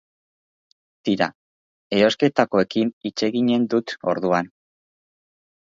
Tira, erosketakoekin hitz eginen dut orduan.